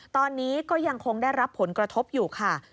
ตอนนี้ก็ยังคงได้รับผลกระทบอยู่ค่ะ